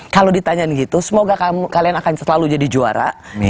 kalau ditanyain gitu semoga kalian akan selalu jadi juara